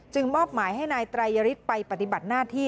มอบหมายให้นายไตรยฤทธิ์ไปปฏิบัติหน้าที่